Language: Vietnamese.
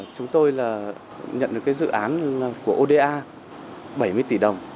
chúng tôi nhận được dự án của oda bảy mươi tỷ đồng